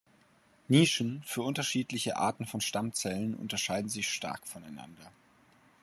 Nischen für unterschiedliche Arten von Stammzellen unterscheiden sich stark voneinander.